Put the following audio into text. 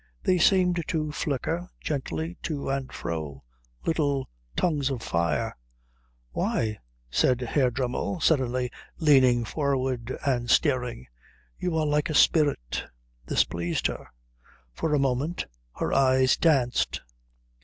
They seemed to flicker gently to and fro, little tongues of fire. "Why," said Herr Dremmel, suddenly leaning forward and staring, "you are like a spirit." This pleased her. For a moment her eyes danced.